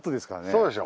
そうでしょ。